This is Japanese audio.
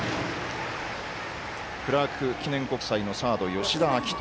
クラーク記念国際のサード吉田暁登。